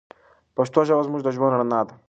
پښتو ژبه زموږ د ژوند رڼا ده.